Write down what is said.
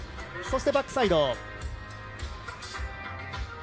そして、バックサイド１４４０。